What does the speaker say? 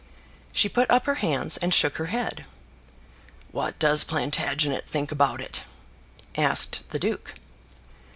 She put up her hands and shook her head. "What does Plantagenet think about it?" asked the duke.